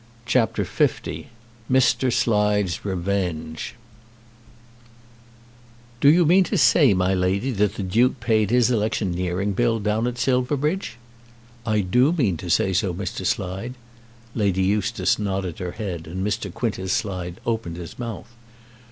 CHAPTER L Mr. Slide's Revenge "Do you mean to say, my lady, that the Duke paid his electioneering bill down at Silverbridge?" "I do mean to say so, Mr. Slide." Lady Eustace nodded her head, and Mr. Quintus Slide opened his mouth.